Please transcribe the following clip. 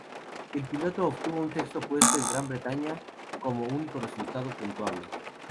El piloto obtuvo un sexto puesto en Gran Bretaña como único resultado puntuable.